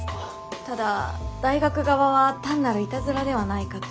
ただ大学側は単なるいたずらではないかと。